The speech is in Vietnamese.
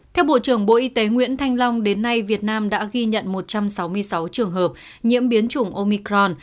theo bộ trưởng bộ y tế nguyễn thanh long đến nay việt nam đã ghi nhận một trăm sáu mươi sáu trường hợp nhiễm biến chủng omicron